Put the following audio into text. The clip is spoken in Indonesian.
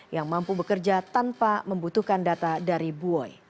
yang mampu bekerja tanpa membutuhkan data dari buoy